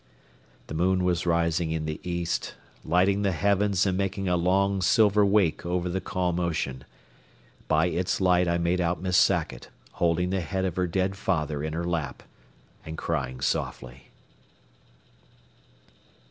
The moon was rising in the east, lighting the heavens and making a long silver wake over the calm ocean. By its light I made out Miss Sackett, holding the head of her dead father in her lap, and crying softly.